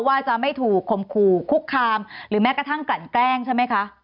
ว่าจะไม่ถูกคมขู่คุกคามหรือแม้กระทั่งกลั่นแกล้งใช่ไหมคะ